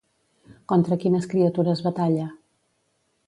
Contra quines criatures batalla?